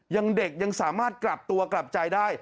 ยังเด็กยังสามารถกลับตัวกลับใจได้